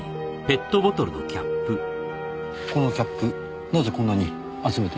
このキャップなぜこんなに集めているのでしょう？